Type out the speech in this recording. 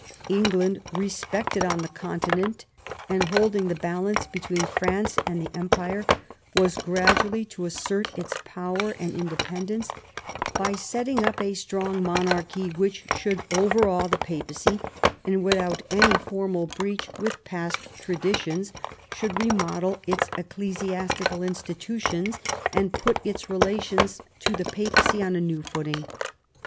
England, respected on the Continent, and holding the balance between France and the Empire, was gradually to assert its power and independence by setting up a strong mon archy which should overawe the Papacy, and without any formal breach with past traditions, should remodel its ecclesiastical institutions, and put its relations to the Papacy on a new footing.